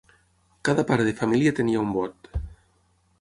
Cada pare de família tenia un vot.